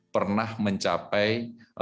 pernah mencapai delapan belas enam